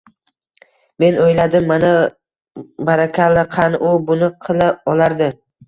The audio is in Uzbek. Men o'yladim: mana, barakalla! Qani, u buni qila olardi!